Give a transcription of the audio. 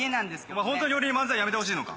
お前ホントに俺に漫才やめてほしいのか？